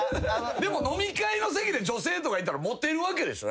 でも飲み会の席で女性とかいたらモテるわけでしょ？